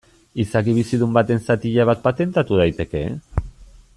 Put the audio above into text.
Izaki bizidun baten zatia bat patentatu daiteke?